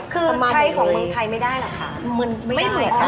คือใช้ของเมืองไทยไม่ได้หรอกค่ะ